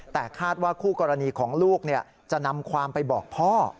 แต่คาดว่าคู่กรณีของลูกจะนำความไปบอกพ่อ